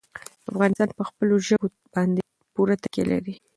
افغانستان په خپلو ژبو باندې پوره تکیه لري.